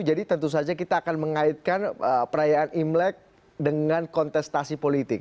jadi tentu saja kita akan mengaitkan perayaan imlek dengan kontestasi politik